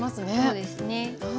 そうですね。